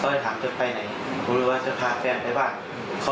เขาเลยฟาดเขาทีนั้นตาลุงบาดแพงในตัวแล้วก็ตรงหน้าเขาเลยถามสอบถามว่าไปโดนอาสาทีไหม